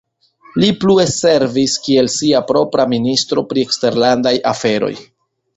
Li plue servis kiel sia propra Ministro pri eksterlandaj aferoj.